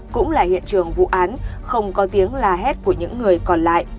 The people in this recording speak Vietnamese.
cũng là hiện trường vụ án không có tiếng la hét của những người còn lại